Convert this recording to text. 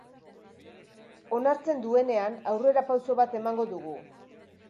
Onartzen duenean, aurrerapauso bat emango dugu.